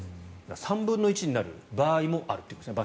３分の１になる場合もあるということですね